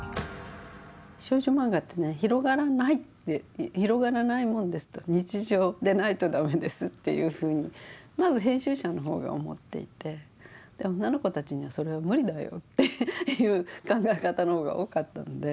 少女漫画ってね広がらないって広がらないものですと日常でないと駄目ですというふうにまず編集者の方が思っていて女の子たちにはそれは無理だよという考え方の方が多かったので。